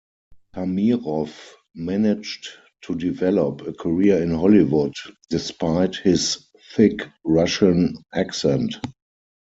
Tamiroff managed to develop a career in Hollywood despite his thick Russian accent.